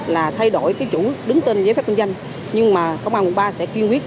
là thay đổi cái chủ đứng tên giấy phép kinh doanh nhưng mà công an quận ba sẽ kiên quyết